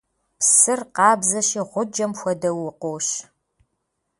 Псыр къабзэщи, гъуджэм хуэдэу, укъощ.